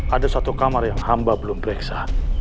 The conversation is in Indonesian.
ada satu kamar yang hamba belum periksa